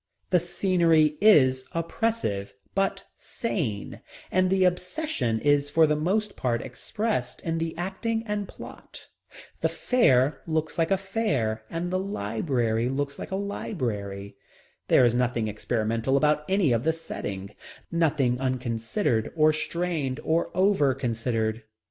The scenery is oppressive, but sane, and the obsession is for the most part expressed in the acting and plot. The fair looks like a fair and the library looks like a library. There is nothing experimental about any of the setting, nothing unconsidered or strained or over considered.